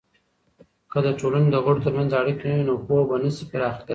که د ټولني دغړو ترمنځ اړیکې نه وي، نو پوهه به نسي پراخه کیدلی.